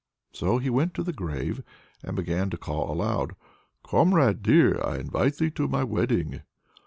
So he went to the grave and began to call aloud: "Comrade dear! I invite thee to my wedding."